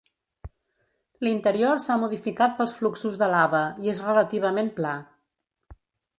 L"interior s"ha modificat pels fluxos de lava i és relativament pla.